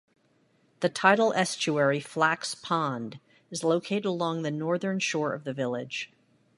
The tidal estuary Flax Pond is located along the northern shore of the village.